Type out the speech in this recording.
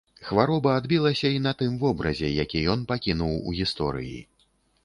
Хвароба адбілася і на тым вобразе, які ён пакінуў у гісторыі.